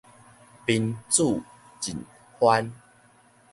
賓主盡歡